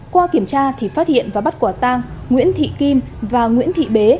qua kiểm tra thì phát hiện và bắt quả tang nguyễn thị kim và nguyễn thị bế